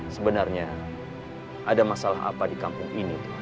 sebenarnya ada masalah apa di kampung ini